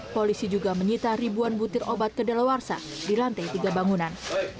polisi juga menyita ribuan butir obat kedalawarsa di lantai tiga bangunan